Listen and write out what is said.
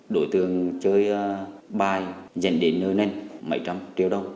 đối tượng chơi bài dành đến nơi nền bảy trăm linh triệu đồng